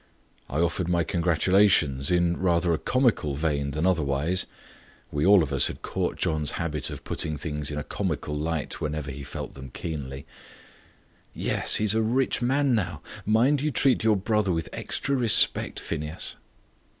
I offered my congratulations in rather a comical vein than otherwise; we all of us had caught John's habit of putting things in a comic light whenever he felt them keenly. "Yes, he is a rich man now mind you treat your brother with extra respect, Phineas."